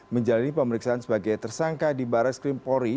menjalani pemeriksaan sebagai tersangka di barai skrim pori